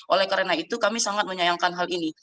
oleh karena itu kami sangat menyayangkan hal ini